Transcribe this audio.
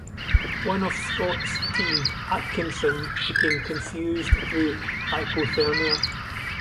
One of Scott's team, Atkinson, became confused through hypothermia.